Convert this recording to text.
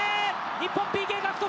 日本、ＰＫ獲得！